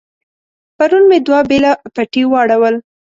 پرون مې دوه بېله پټي واړول.